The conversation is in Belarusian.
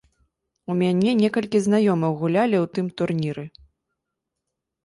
У мяне некалькі знаёмых гулялі ў тым турніры.